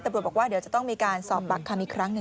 แต่บริษัทบอกว่าเดี๋ยวจะต้องมีการสอบบัคคันอีกครั้ง